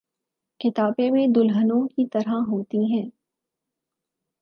کتابیں بھی دلہنوں کی طرح ہوتی ہیں۔